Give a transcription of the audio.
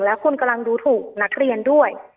แล้วคุณกำลังดูถูกนักเรียนด้วย